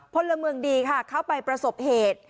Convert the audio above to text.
พลเมืองดีค่ะเข้าไปประสบเหตุ